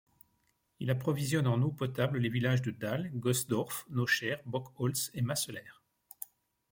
Il approvisionne en eau potable les villages de Dahl, Goesdorf, Nocher, Bockholtz et Masseler.